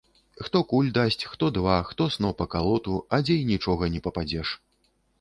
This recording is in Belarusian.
Хто куль дасць, хто два, хто сноп акалоту, а дзе й нічога не пападзеш.